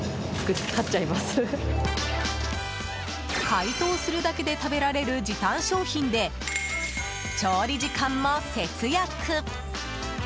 解凍するだけで食べられる時短商品で調理時間も節約。